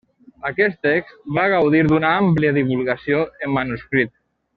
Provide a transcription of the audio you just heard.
Aquest text va gaudir d'una àmplia divulgació en manuscrit.